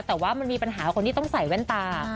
แต่ว่ามันมีปัญหาคนที่ต้องใส่แว่นตา